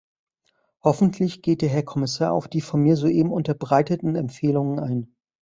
Hoffentlich geht der Herr Kommissar auf die von mir soeben unterbreiteten Empfehlungen ein.